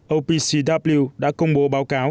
opcw đã công bố báo cáo